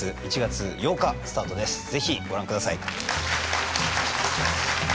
是非ご覧ください。